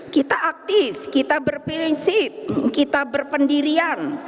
kita aktif kita berprinsip kita berpendirian